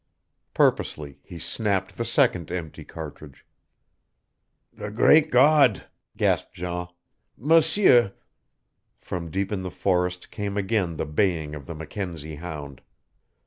Purposely he snapped the second empty cartridge. "The great God!" gasped Jean. "M'seur " From deep in the forest came again the baying of the Mackenzie hound.